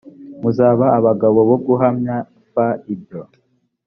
muzaba abagabo bo guhamya f ibyo